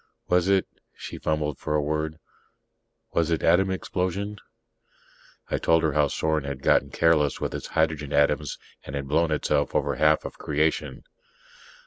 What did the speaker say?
Was it " She fumbled for a word "was it atom explosion?" I told her how Sorn had gotten careless with its hydrogen atoms and had blown itself over half of creation.